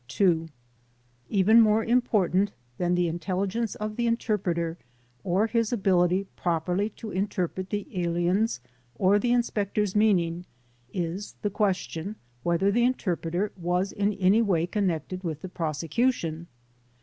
35 36 THE DEPORTATION CASES 2. Even more important than the intelligence of the interpreter or his ability properly to interpret the alien's or the inspector's meaning is the question whether the interpreter was in any way connected with the prosecu tion.